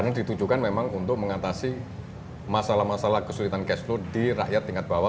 ini ditujukan memang untuk mengatasi masalah masalah kesulitan cash flow di rakyat tingkat bawah